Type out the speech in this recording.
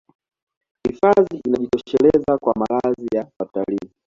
hifadhi inajitosheleza kwa malazi ya watalii